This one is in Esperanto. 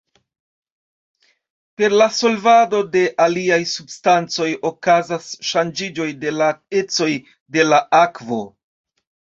Per la solvado de aliaj substancoj okazas ŝanĝiĝoj de la ecoj de la akvo.